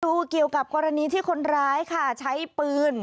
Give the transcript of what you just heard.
ความรู้เกี่ยวกับกรณีที่คนร้ายใช้ปืน